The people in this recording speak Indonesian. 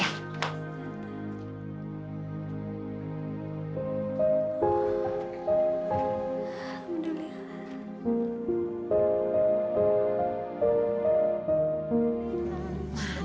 aku udah lihat